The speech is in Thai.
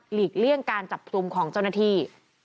หลีกเลี่ยงการจับทุมของเจ้าหน้าที่